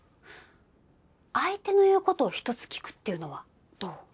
相手の言うことを１つ聞くっていうのはどう？